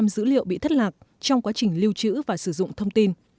sáu mươi bảy dữ liệu bị thất lạc trong quá trình lưu trữ và sử dụng thông tin